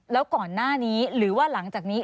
แล้วก่อนหน้านี้หรือว่าหลังจากนี้